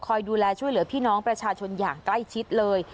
ดูแลช่วยเหลือพี่น้องประชาชนอย่างใกล้ชิดเลย